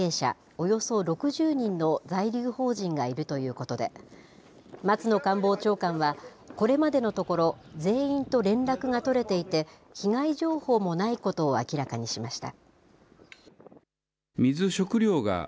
およそ６０人の在留邦人がいるということで、松野官房長官は、これまでのところ、全員と連絡が取れていて、被害情報もないことを明らかにしました。